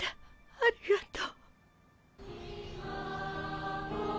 ありがとう。